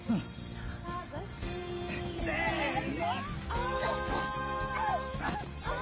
あっ！